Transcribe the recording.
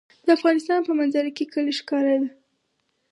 د افغانستان په منظره کې کلي ښکاره ده.